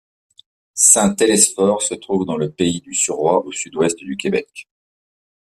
Saint-Télesphore se trouve dans le pays du Suroît au sud-ouest du Québec.